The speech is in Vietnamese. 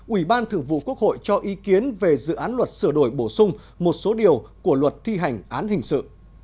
ủy ban thường vụ quốc hội cho ý kiến về dự án luật sửa đổi bổ sung một số điều của luật thi hành án hình sự